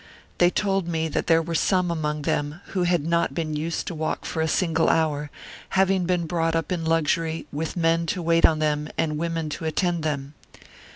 They told me that there were some among them who had not been used to walk for a single hour, having been brought up in luxury, with men to wait on them and women to attend them.